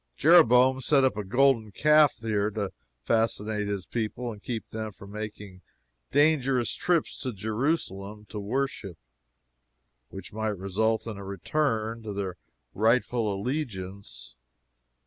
Jeroboam set up a golden calf here to fascinate his people and keep them from making dangerous trips to Jerusalem to worship, which might result in a return to their rightful allegiance.